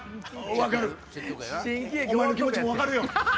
お前の気持ちも分かるよ。